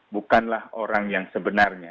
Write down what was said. bukanlah orang yang sebenarnya